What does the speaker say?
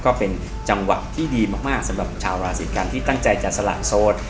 ก็เป็นจังหวะที่ดีมากสำหรับชาวราศีกันที่ตั้งใจจะสละโสด